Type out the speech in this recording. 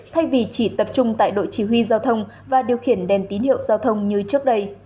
thay vì chỉ tập trung tại đội chỉ huy giao thông và điều khiển đèn tín hiệu giao thông như trước đây